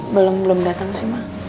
belum datang sih ma